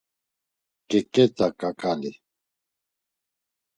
Ǩeǩet̆a ǩaǩali.